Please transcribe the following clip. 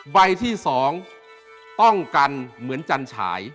ใบที่๒ต้องกรรมเหมือนจันไช